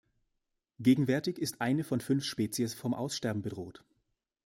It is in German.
Gegenwärtig ist eine von fünf Spezies vom Aussterben bedroht.